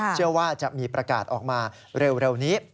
เชื่อว่าจะมีประกาศออกมาเร็วนี้